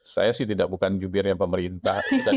saya sih tidak bukan jubirnya pemerintah